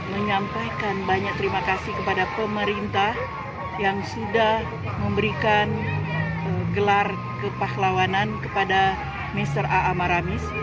menyampaikan banyak terima kasih kepada pemerintah yang sudah memberikan gelar kepahlawanan kepada mr aa maramis